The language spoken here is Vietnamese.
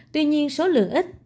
tuy nhiên số lượng ít